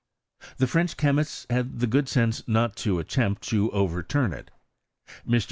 The French chemists had the good iiense not to attempt to overturn it. Mr.